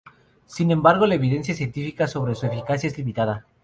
Sin embargo, la evidencia científica sobre su eficacia es limitada.